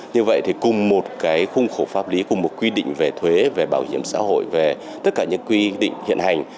như vậy thì cùng một cái khung khổ pháp lý cùng một quy định về thuế về bảo hiểm xã hội về tất cả những quy định hiện hành